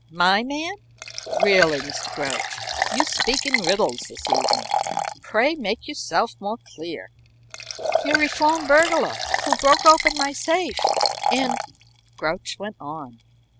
"My man? Really, Mr. Grouch, you speak in riddles this evening. Pray make yourself more clear." "Your reformed burglar, who broke open my safe, and " Grouch went on.